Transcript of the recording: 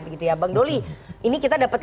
begitu ya bang doli ini kita dapat